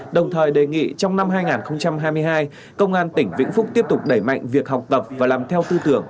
đồng thời đề nghị trong năm hai nghìn hai mươi hai công an tỉnh vĩnh phúc tiếp tục đẩy mạnh việc học tập và làm theo tư tưởng